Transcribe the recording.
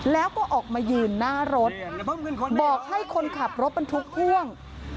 แล้วก็ออกมายืนหน้ารถบอกให้คนขับรถบรรทุกพ่วง